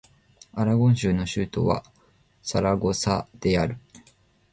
アラゴン州の州都はサラゴサである